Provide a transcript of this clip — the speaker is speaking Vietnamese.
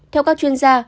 theo các chuyên gia